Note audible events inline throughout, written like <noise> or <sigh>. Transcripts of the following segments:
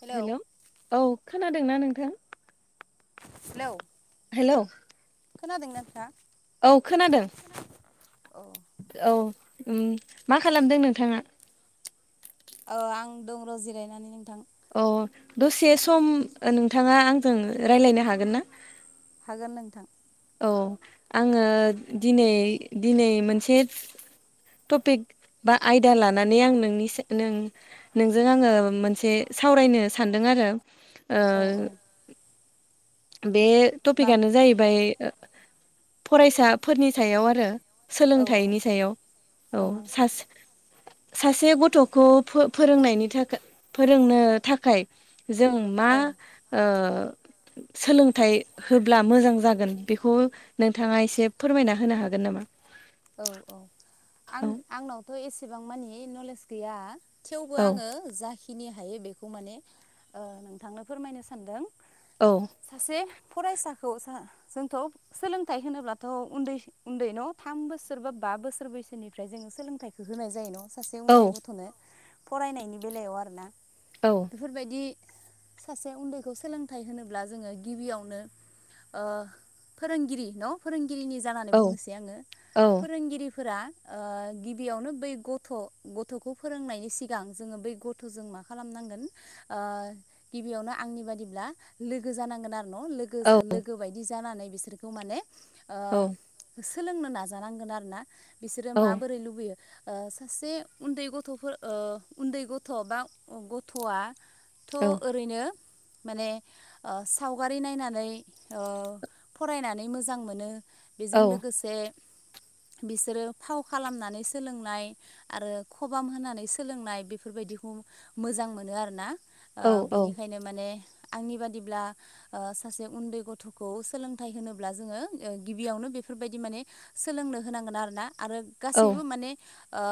Hello hello औ खोनादोंना नोंथां? हेल'। हेल'। खोनादों ना नोंथां? औ खोनादों। ओ औ मा खालामदों नोंथाङा? आं दं र' जिरायनानै नोंथां। अ दसे सम नोंथाङा आंजों रायलायनो हागोन ना? हागोन नोंथां। औ आङो दिनै मोनसे टपिक बा आयदा लानानै आं नोंनि नों नोंजों आङो मोनसे सावरायनो सान्दों आरो। ओ औ औ बे मा टपिकआनो जाहैबाय फरायसाफोरनि सायाव आरो। औ औ सोलोंथाइनि सायाव औ सासे सासे गथ'खौ फोरोंनायनि थाखाय फोरोंनो थाखाय जों मा औ सोलोंथाइ होब्ला मोजां जागोन बेखौ नोंथाङा एसे फोरमायना होनो हागोन नामा? औ औ औ आंनावथ' एसेबां मानि नलेज गैया थेवबो औ आङो जाखिनि हायो बेखौ माने नोंथांनो फोरमायनो सानदों। औ सासे फरायसाखौ जोंथ' सोलोंथाइ होनोब्लाथ' उन्दै उन्दैन' थाम बोसोरबा-बाबोसोर बैसोनिफ्राय जोङो सोलोंथाइखौ होनाय जायो न' सासे उन्दै गथ'नो। फरायनायनि बेलायाव आरोना औ बेफोरबायदि सासे उन्दैखौ सोलोंथाइ होनोब्ला जोङो गिबियावनो। ओ फोरोंगिरि न' फोरोंगिरिनि जानानै औ बुंनोसै आङो औ फोरोंगिरि फोरा ओ गिबियावनो बै गथ' गथ'खौ फोरोंनायनि सिगां जोङो बै गथ' जों मा खालामनांगोन ओ गिबियावनो आंनि बादिब्ला लोगो जानांगोन आ न' लोगो औ जो लोगो बायदि जानानै बिसोरखौ माने औ ओ सोलोंनो ना जानांगोन आरोना बिसोरो औ माबोरै लुबैयो। ओ सासे उन्दै गथ'फोर ओ उन्दै गथ' बा गथ'आ। औ थ' ओरैनो। माने ओ सावगारि नायनानै ओ फरायनानै मोजां मोनो। औ बेजों लोगोसे <inaudible> बिसोरो फाव खालामनानै सोलोंनाय आरो खबाम होनानै सोलोंनाय बेफोरबायदि खौ मोजां मोनो आरोना ओ औ औ औ बिनिखायनो माने आंनि बादिब्ला ओ सासे उन्दै गथ'खौ सोलोंथाइ होनोब्ला जोङो गिबियावनो बे फोरबायदि माने सोलोंनो होनांगोन आरोना आरो गासैबो माने ओ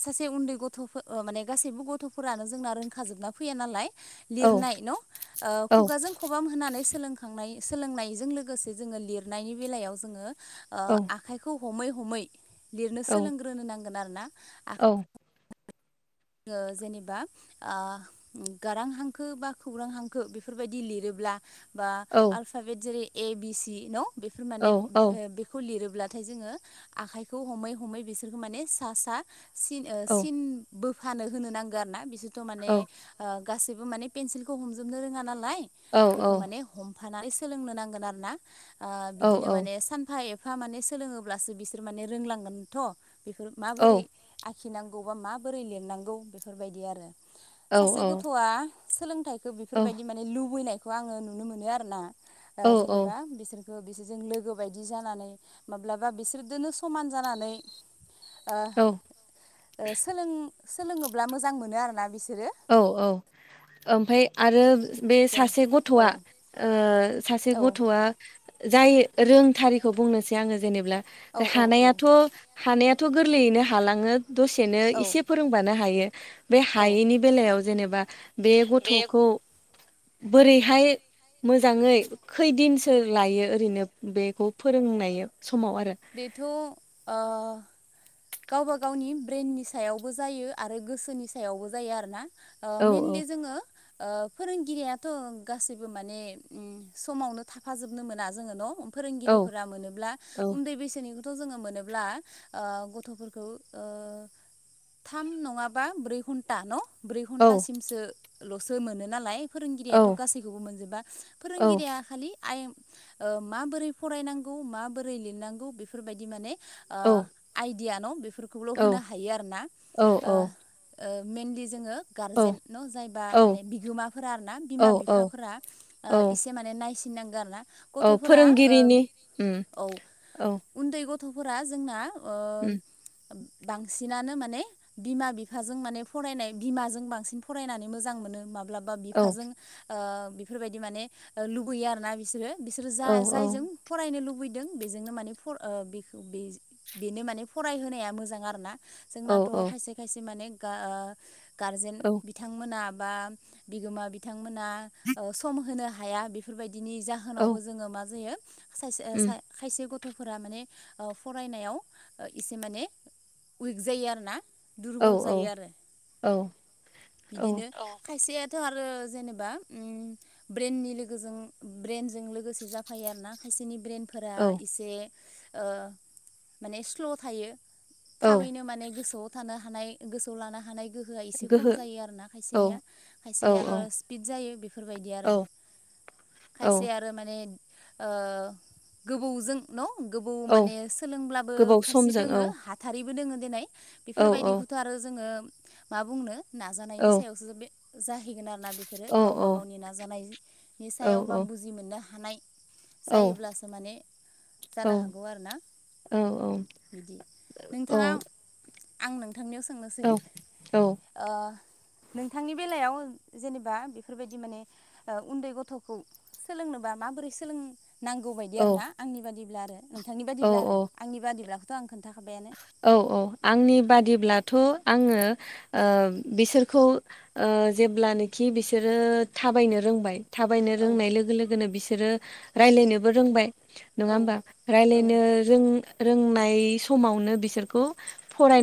सासे उन्दै गथ'फो ओ माने गासैबो गथ'फोरानो जोंना रोंखा जोबना फैया नालाय। लिरनाय न' ओ खुगाजों खुगाजों खबाम होनानै सो सोलोंखांनाय सोलोंनायजों लोगोसे जोङो लिरनायनि बेलायाव जोङो ओ आखाइखौ हमै-हमै लिरनो सोलोंग्रोनो नांगोन आरो ना। औ। जोङो जेनेबा ओ गारां हांखो बा खौरां हांखो बेफोरबायदि लिरोब्ला। बा आल्फाबेट जेरै- ए, बि, सि न' बेफोर माने ओ बेखौ लिरो अब्लाथाय जोङो आखाइखौ हमै-हमै बिसोरखौ माने सा-सा सिन ओ सिन फानो होनो नांगो आरो ना बिसोरथ' माने ओ गासैबो माने पेन्सिलखौ हमजोबनो रोङा ना लाय बेखौ माने हमफानानै सोलोंनो नांगोन आरो ना ओ बिदिनो माने सानफा ए एफा माने सोलोङोब्लासो बिसोर माने रोंलांगोनथ' बेफोर माबोरै आ खिनांगौ बा माबोरै लिरनांगौ बेफोरबायदि आरो सासे गथ'आ सोलोंथाइ खो बेफोरबायदि माने लुबैनायखौ आङो नुनो मोनो आरोना ओ जेनेबा बिसोर बिसोरजों लोगो बायदि जानानै माब्लाबा बिसोरजोंनो समान जानानै। ओ-ओ सोलों-सोलोङोब्ला मोजां मोनो आरोना बिसो औ-औ ओमफ्राय आरो बे जेने सासे औ गथ'आ ओ सासे औ गथ'आ। जाय रोंथारिखौ बुंनोसै आङो जेनेबा औ औ हानायाथ' हानाया थ' गोरलैयैनो हालाङो दसेनो औ एसे फोरोंबानो हायो। बे औ हायैनि बेलायाव जेनेबा बे गथ'खौ बोरैहाय मोजाङै खैदिनसो लायो ओरैनो बेखौ फोरोंनायाव? बेथ' ओ गावबा-गावनि ब्रेइननि सायावबो जायो आरो गोसोनि सायावबो जायो आरो ना। ओ औ मेइनलि जोङो। ओ फोरोंगिरियाथ' गासैबो माने उम समावनो थाफाजोबनो मोना जोङो न' औ फोरोंगिरिफोरा मोनोब्ला। औ उन्दै बैसोनिखौथ' जोङो मोनोब्ला ओ गथ'फोरखौ ओ थाम नङाबा ब्रै घणन्टा न'? ब्रै औ घन्टासिमसो लसो मोनो नालाय। फोरोंगिरियाथ' औ गासैखौबो मोनजोबा औ फोरोंगिरिया खालि आय ओ माबोरै फरायनांगौ माबोरै लिरनांगौ बेफोरबायदि माने। ओ औ आइडिया न' बेफोरखौल' औ होनो हायो आरोना औ ओ ओ मेइनलि जोङो। औ गारजेन न' जायबा माने औ बिगोमाफोरा आरोना औ औ बिमा-बिफाफोरा ओ औ एसे माने नायस थिनांगोन ना औ फोरोंगिरिनि औ औ उन्दै गथ'फोरा जोंना ओ उम बांसिनानो माने बिमा-बिफाजों माने फरायनाय, बिमाजों बांसिन फरायनानै मोजां मोनो माबा माब्लाबा औ बिफाजों बिफोरबायदि माने लुबैयो आर ना बिसोरो बिसोरो जा औ औ जायजों फरायनो लुबैदों बेजोंनो माने बर ओ बेखौ बेजों बेनो माने फरायहोनाया मोजां आरो ना औ जोंनाथ' खायसे खायसे माने ओ गारजेन औ बिथांमोना बा बिगोमा बिथांमोना सम होनो हाया बेफोरबायदि बिनि औ जाहोनावबो जोङो मा जायो सासे उम खायसे गथ'फोरा माने ओ फरायनायाव एसे माने उइक जायो आरो ना। औ दुरबल जायो आरो औ औ बिदिनो अ खायसे थ' आरो जेनेबा ब्रेननि लोगोजों ब्रेनजों लोगोसे जाफायो आर ना। बिसिोरनि ब्रेन फोरा औ एसे ओ माने स्ल' थायो। औ थाबैनो माने गोसोआव थानो हानाय गोसोआव लानो हानाय गोहो गोहोआ एसे खम गोहो जायो आरो ना औ खायसेनिया औ खायसेनिया आरो' स्पिड जायो बेफोरबायदि औ आरो। औ खायसे आरो माने ओ गोबौजों न' गोबौ औ माने सोलोंब्लाबो गोबाव खायसे समजों औ दोङो हाथारिबो दोङो देनाय औ बेफोरबायदिखौथ' आरो जोङो मा बुंनो नाजानायनि औ सायावसो बे जाहैगोन आरो ना बेफोरो औ गावबा गावनि नाजानायनि औ सायाव बा औ बुजि मोननो हानाय औ जायोब्लासो माने जानो हागौ आरो ना बिदि नोंथाङा आं नोंथांनियाव सोंनोसै ओ नोंथांनि बेलायाव जेनेबा बेफोरबायदि माने उन्दै गथ'खौ सोलोंनो बा माबोरै सोलोंनांगौ औ देरना आंनि बादिब्ला आरो नोंथांनि औ बाददिब्ला आरो औ आंनि बादिब्लाखौथ' आं खोन्थाखाबायानो। औ औ आंनि बादिब्लाथ' आङो ओ बिसोरखौ ओ ओ जेब्लानोखि बिसोरो थाबायनो रोंबाय थाबायनो औ रोंनाय लोगो लोगोनो बिसोरो रायलायनोबो रोंबाय। नङा औ होमबा औ रायलायनो रों रोंनाय समावनो बिसोरखौ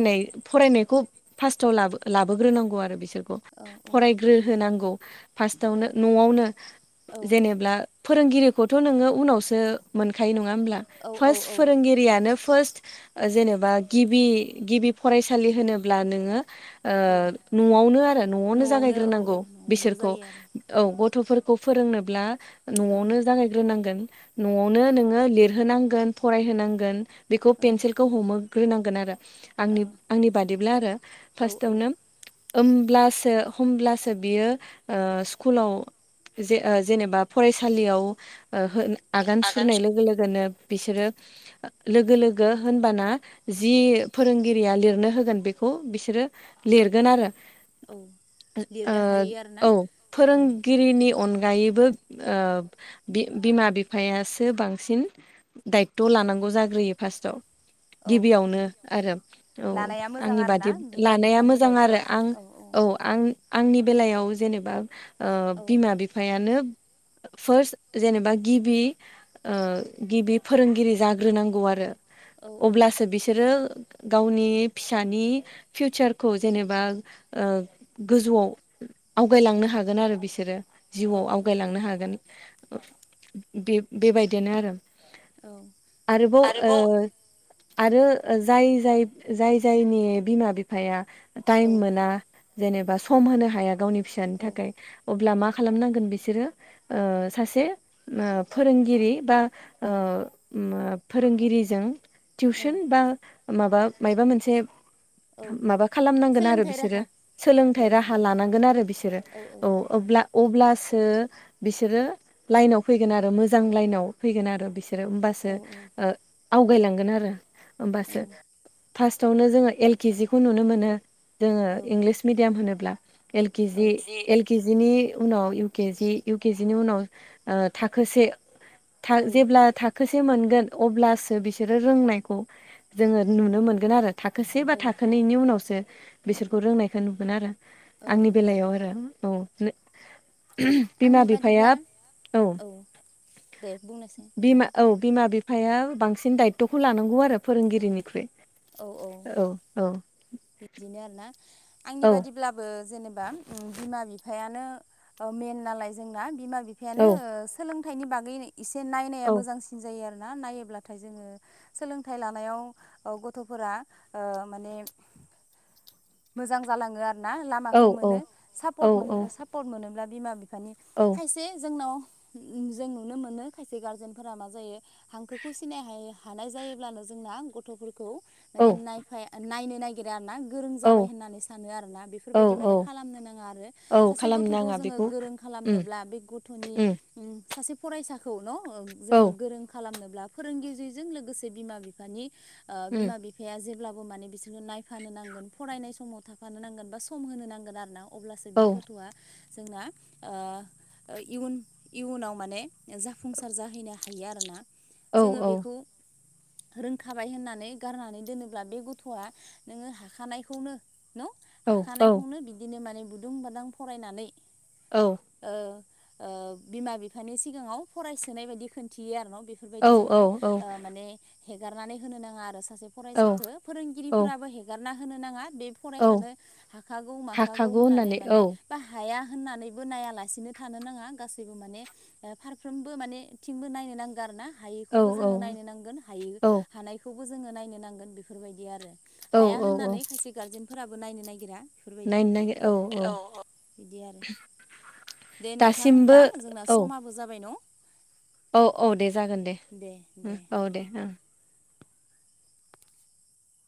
औ फरायनायखौ फास्टाव लाबो लाबोग्रो नांगौ आरो बिसोर औ फरायग्रो होनांगौ फास्टावनो न'आवनो औ जेनेब्ला फोरोंगिरिखौथ' नोङो उनावसो मोनखायो नङा होमब्ला औ फार्स्ट औ औ फोरोंगिरियानो फार्स्ट जेनेबा गिबि गिबि फरायसालि होनोब्ला नोङो औ ओ न'आवनो आरो न'आवनो औ औ जागायग्रोनांगौ न'आवनो बिसोरखौ जायो आरो औ ग थ'फोरखौ फोरोंनोब्ला औ न'आवनो जागायग्रोनांगोन। न'आवनो नोङो लिरहोनांगोन फरायहोनांगोन बेखौ औ पेन्सिलखौ हमो होनांगोन आरो औ आंनि आंनि बादिब्ला आरो औ औ फास्टावनो ओमब्लासो होमब्लासो बियो स्कुलाव जे जेनेबा फरायसालियाव ओ होन आगान सुरनाय लोगो लोगोनो बिसोरो लोगो लोगो होनबाना जि फोरोंगिरिया लिरनो होगोन बेखौ बिसोरो लिरगोन आरो। औ लिरनो हायो आरोना ओ औ औ फोरोंगिरिनि अन गायैबो ओ बिमा बिफायासो बांसिन दायथ' लानां गौ जाग्रोयो फार्स्टआव। औ औ गिबियावनो आरो औ लानाया मोजां आंनि आरो ना बादि बिमा लानाया बिफानि मोजां आरो दायथ'आ आं औ आं आंनि बेलायाव जेनेबा ओ औ बिमा बिफायानो फार्स्ट जेनेबा गिबि ओ गिबि फोरोंगिरि जाग्रोनांगौ आरो। औ अब्लासो बिसोरो गावनि फिसानि फिउचारखौ जेनेबा ओ गोजौआव आवगायलांनो हागोन आरो बिसोरो। औ जिउआव आवगायलांनो हागोन बे बेबायदिनो आरो आरोबाव ओ आरो जाय जाय जाय जायनि बिमा बिफाया टाइम मोना जेनेबा सम होनो हाया गावनि फिसानि औ थाखाय अब्ला मा खालामनांगोन बिसोरो ओ सासे फोरोंगिरि बा ओ ओ मा फोरोंगिरिजों टिउसन बा माबा मायबा मोनसे औ माबा खालामनांगोन आरो सोलोंथाइ बिसोरो राहा औ सोलोंथाइ राहा लानांगोन आरो बिसोरो औ ब्ला अब्लासो बिसोरो लाइनाव फैगोन आरो मोजां लाइनाव फैगोन आरो बिसोर बिसोरो होमबासो औ आवगायलांगोन आरो होमबासो फार्स्टआवनो जोङो एल के जि खौ नुनो मोनो जोङो इंलिस मिडियाम होनोब्ला एल औ केजि एल के जि नि उनाव U K G U K जिनि उनाव थाखोसे औ जेब्ला थाखोसे से मोनगोन अब्लासो बिसोरो रोंनायखौ जोङो नुनो मोनगोन आरो थाखोसे बा औ थाखोनैनि उनावसो बिसोरखौ रोंनायखौ नुगोन आरो आंनि औ बेलायाव आरो औ बिमा आंनि बिफाया बादिब्ला औ दे बुंनायसाय बिमा नोंथाङा औ बिमा बिफाया बांसिन दायथ'खौ लानांगौ आरो फोरोंगिरिनिख्रुइ औ औ बिदिनो आरो ना आंनि औ बादिब्लाबो जेनेबा बिमा बिफायानो मेन नालाय जोंना बिमा औ बिफायानो सोलों थाइनि बागै एसे नायनाया औ मोजांसिन जायो आरो ना-नायोब्लाथाय जोङो सोलोंथाइ लानायाव गथ'फोरा माने मोजां जालाङो आरो ना औ लामाखौ मोनो औ औ सापर्ट औ मोनो सापर्ट मोनोब्ला बिमा-बि मानि औ खायसे जोंनाव जों नुनो मोनो खायसे गारजेनफोरा मा जायो हांखोखौ सिनाय हानाय जायोब्लानो जोंना गथ'फोरखौ माने नाय नायनो नागिरा आरोना जाबाय औ होननानै सानो आरोना औ बेफोरबायदि माने औ खालामनो नाङा आरो औ सासे खालामनो गथखौ नाङा जोङो बेखौ गोरों उम खालामनोब्ला बे गथ'नि उम सासे फरायसाखौ न' जोङो औ गोरों खालामनोब्ला फोरोंगिरिजों लोगोसे बिमा बिफानि उम बिमा-बिफाया जेब्लाबो माने बिसोरखौ नायफानो नांगोन फरायनाय समाव थाफानो नांगोन बा सम होनो नांगोन आरोना अब्लासो औ बि गथ'आ जोंना ओ इयुन इयुनाव माने जाफुंसार जाहैनो हायो आरोना औ जोङो बेखौ रोंखाबाय होननानै गारनानै दोनोब्ला बे गथ'आ नोङो हाखानायखौनो न' औ औ हाखानायखौनो बिदिनो माने बुदुं बादां फरायनानै औ ओ बिमा-बिफानि सिगाङाव फरायसोनाय बायदि खिन्थियो आरो न' बेफोरबायदि जोङो ओ माने हेगारनानै होनो नाङा आरो सासे औ फरायसाखौ औ फोरोंगिरिफोराबो हेगारना होनो नाङा बे औ फरायखानो हाखागौ माखागौ हाखागौ होननानै औ माने बा हाया होननानैबो नायालासिनो थानो नाङा गासैबो माने फारफ्रोमबो माने थिंबो नायनो नांगौ आरो ना औ हायैखौबो जोङो नायनो नांगोन हायै औ हानायखौबो जोङो नायनो नांगोन बेफोरबायदि आरो औ हाया औ औ होननानै खायसे गारजेनफोराबो नायनो नागिरा बेफोरबायदि औ औ बिदि आरो दे नोंथां दासिमबो होमब्ला जोंना औ समाबो जाबाय न' औ औ दे जागोन दे औ दे ओं